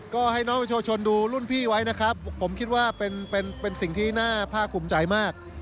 ก็ให้น้องประชาชนดูรุ่นพี่ไว้นะครับผมคิดว่าเป็นสิ่งที่น่าภาคภูมิใจมาก